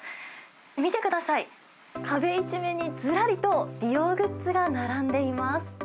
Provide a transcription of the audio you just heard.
見てください、壁一面にずらりと美容グッズが並んでいます。